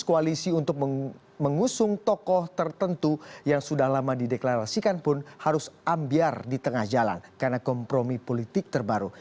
koalisi untuk mengusung tokoh tertentu yang sudah lama dideklarasikan pun harus ambiar di tengah jalan karena kompromi politik terbaru